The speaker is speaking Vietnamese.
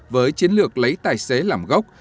với chiến lược lấy tài xế làm gốc